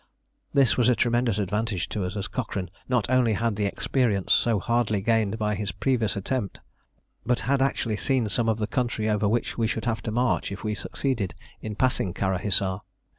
This was a tremendous advantage to us, as Cochrane not only had the experience so hardly gained by his previous attempt, but had actually seen some of the country over which we should have to march if we succeeded in passing Kara Hissar.